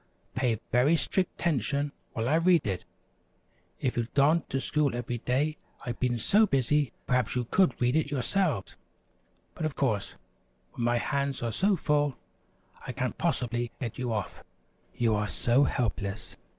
Pay very strict 'tention while I read it. If you'd gone to school every day I've been so busy, perhaps you could read it yourselves; but, of course, when my hands are so full, I can't possibly get you off, and you are so helpless.